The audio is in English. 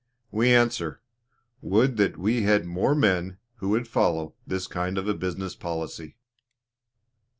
We answer, would that we had more men who would follow this kind of a business policy.